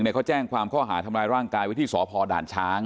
แต่อีกฝั่งแจ้งความเข้าหาทำร้ายร่างกายไว้ที่สอพดานช้าง